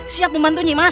siap membantu nyimas